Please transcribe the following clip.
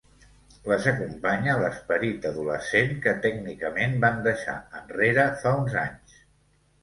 Les acompanya l'esperit adolescent que, tècnicament, van deixar enrere fa uns anys.